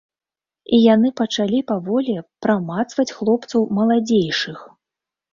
І яны пачалі паволі прамацваць хлопцаў маладзейшых.